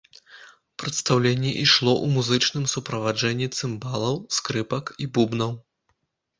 Прадстаўленне ішло ў музычным суправаджэнні цымбалаў, скрыпак і бубнаў.